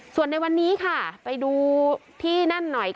ส่วนในวันนี้ค่ะไปดูที่นั่นหน่อย